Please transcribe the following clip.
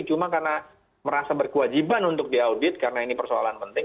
cuma karena merasa berkewajiban untuk diaudit karena ini persoalan penting